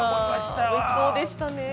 おいしそうでしたね。